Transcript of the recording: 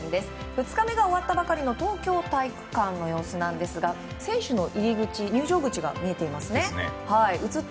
２日目が終わったばかりの東京体育館の様子ですが選手の入り口、入場口が見えていますが。